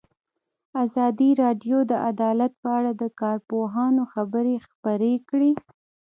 ازادي راډیو د عدالت په اړه د کارپوهانو خبرې خپرې کړي.